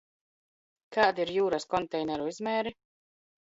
Kādi ir jūras konteineru izmēri?